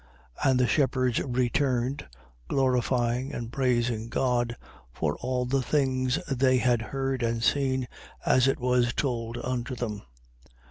2:20. And the shepherds returned, glorifying and praising God for all the things they had heard and seen, as it was told unto them.